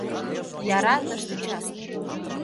Яра — тыште: частный.